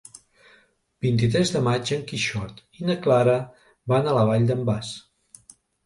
El vint-i-tres de maig en Quixot i na Clara van a la Vall d'en Bas.